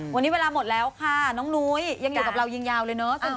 วันนี้เวลาหมดแล้วค่ะน้องนุ้ยยังอยู่กับเรายิงยาวเลยเนอะ